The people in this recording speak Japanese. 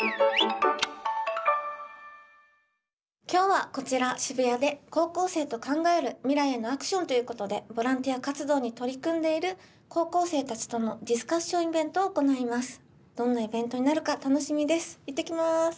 今日はこちら渋谷で高校生と考える未来へのアクションということでボランティア活動に取り組んでいる高校生たちとのディスカッションイベントを行います。